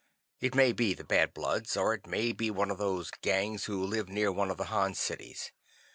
It may be the Bad Bloods, or it may be one of those gangs who live near one of the Han cities.